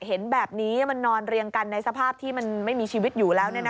เห็นแบบนี้มันนอนเรียงกันในสภาพที่มันไม่มีชีวิตอยู่แล้ว